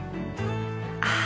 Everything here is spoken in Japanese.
ああ